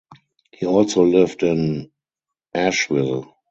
He also lived in Asheville.